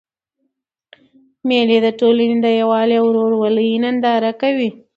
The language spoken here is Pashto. مېلې د ټولني د یووالي او ورورولۍ ننداره کوي.